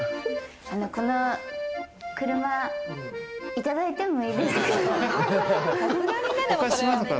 この車、いただいてもいいですか？